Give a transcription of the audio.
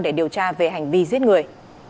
để điều tra về hành vi giết người